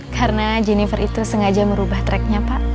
karena jennifer itu sengaja merubah tracknya pak